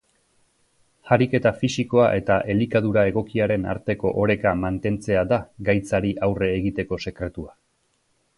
Hariketa fisikoa eta elikadura egokiaren arteko oreka mantentzea da gaitzari aurre egiteko sekretua.